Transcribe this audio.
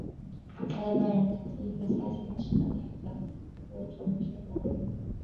他在拜仁的第一个赛季也使他赢得了德国足球先生的荣誉。